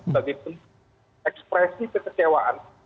tapi pun ekspresi kekecewaan